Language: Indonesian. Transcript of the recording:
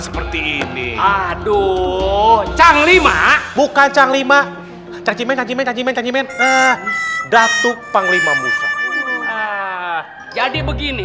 seperti ini aduh canglima bukan canglima cacimen cacimen cacimen datuk panglima musa jadi begini